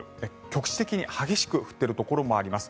局地的に激しく降っているところもあります。